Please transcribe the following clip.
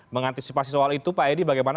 mengantisipasi soal itu pak edi bagaimana